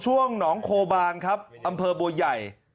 ช่วงหนองโคบานครับอำเภอบัวใหญ่